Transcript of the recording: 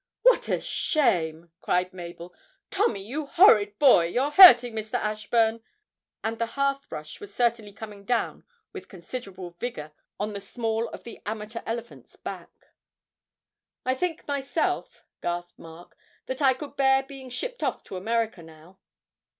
'What a shame!' cried Mabel. 'Tommy, you horrid boy, you're hurting Mr. Ashburn.' And the hearth brush was certainly coming down with considerable vigour on the small of the amateur elephant's back. 'I think myself,' gasped Mark, 'that I could bear being shipped off to America now.'